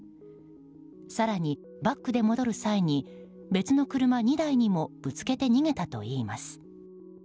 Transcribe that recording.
更にバックで戻る際に別の車２台にもぶつけて逃げたといいます。